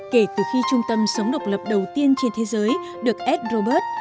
kể từ khi trung tâm sống độc lập đầu tiên trên thế giới được ad roberts